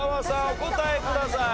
お答えください。